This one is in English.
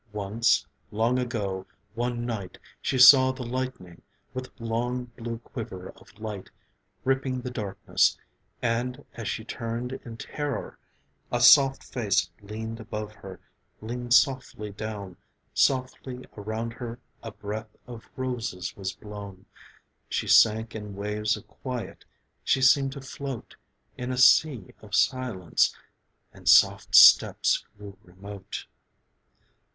Once, long ago, one night, She saw the lightning, with long blue quiver of light, Ripping the darkness ... and as she turned in terror A soft face leaned above her, leaned softly down, Softly around her a breath of roses was blown, She sank in waves of quiet, she seemed to float In a sea of silence ... and soft steps grew remote